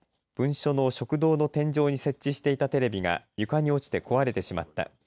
分署の食堂の天井に設置していたテレビが床に落ちて壊れてしまった。